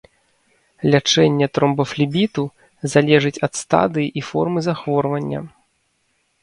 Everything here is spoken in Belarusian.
Лячэнне тромбафлебіту залежыць ад стадыі і формы захворвання.